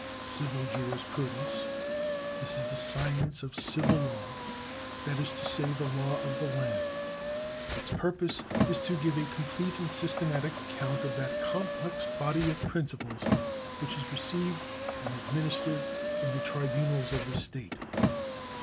Civil Jurisprudence. — This is the science of civil law, that is to say, the law of the land. Its purpose is to give a complete and systematic account of that complex body of principles which is received and administered in the tribunals of the state.